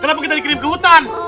kenapa kita dikirim ke hutan